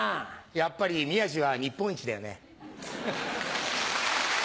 やっぱり宮治は日本一だよね。